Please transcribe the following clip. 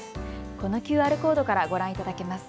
このＱＲコードからご覧いただけます。